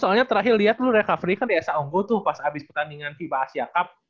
soalnya terakhir liat lu recovery kan di sa unggul tuh pas abis pertandingan viva asia cup